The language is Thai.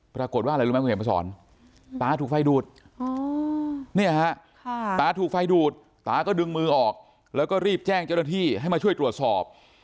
ปรากฏว่าอะไรรู้ไหมคุณเห็นมาสอนตาถูกไฟดูดเนี่ยฮะตาถูกไฟดูดตาก็ดึงมือออกแล้วก็รีบแจ้งเจ้าหน้าที่ให้มาช่วยตรวจสอบ